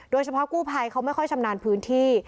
โดยเฉพาะกู้ภัยเขาไม่ค่อยชำนาญพื้นที่